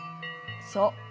そう。